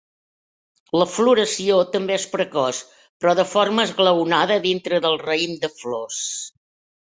La floració també és precoç però de forma esglaonada dintre del raïm de flors.